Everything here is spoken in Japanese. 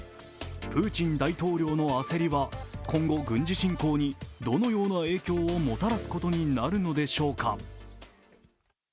プーチン大統領の焦りは今後、軍事侵攻にどのような影響をもたらすことになるのでしょうか。